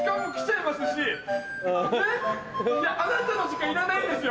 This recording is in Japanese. いやあなたの時間いらないんですよ。